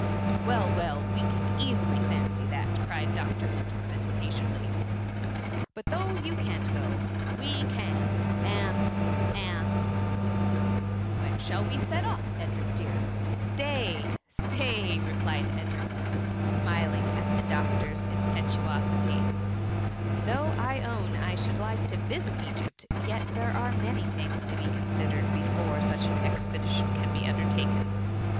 ^*^ Well, well, we can easily fancy that,^ cried Dr. Entwerfen, impatiently ;*^ but though you can't go, we can : and — and— when shall we set cff, Edric, dear ?""^^ Stay, stay V replied Edric, smiling at the doctor's impetuosity ;*^ though I own I should like to visit Egypt, yet there are many things to be considered before such an expedition can be undertaken.